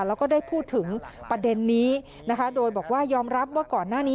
แล้วก็ได้พูดถึงประเด็นนี้นะคะโดยบอกว่ายอมรับว่าก่อนหน้านี้